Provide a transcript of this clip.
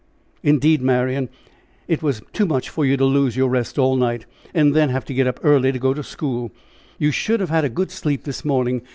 "Indeed, Marian, it was too much for you to lose your rest all night, and then have to get up early to go to school. You should have had a good sleep this morning.